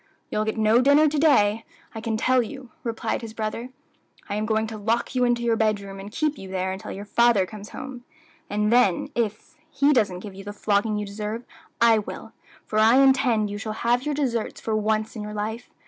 "You'll get no dinner to day, I can tell you," replied his brother. "I am going to lock you into your bedroom, and keep you there until your father comes home; and then if he doesn't give you the flogging you deserve, I will; for I intend you shall have your deserts for once in your life.